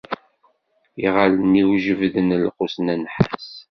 Iɣallen-iw jebbden lqus n nnḥas.